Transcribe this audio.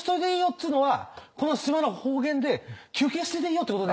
っつうのはこの島の方言で「休憩してでいいよ」ってことね。